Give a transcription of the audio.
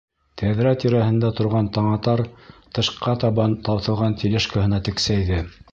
Тәҙрә тирәһендә торған Таңатар тышҡа табан тартылған тележкаһына тексәйҙе: